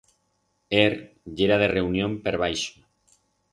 Er yera de reunión per baixo.